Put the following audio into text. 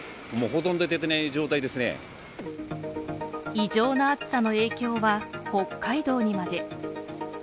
異常な暑さの影響は北海道にまで。